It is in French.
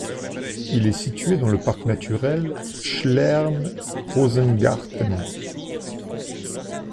Il est situé dans le parc naturel Schlern-Rosengarten.